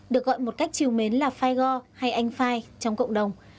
được gọi một cách chiều mến là fai go hay anh fai trong cộng đồng